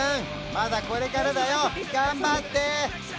まだこれからだよ頑張って！